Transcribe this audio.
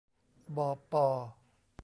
บอ ปอ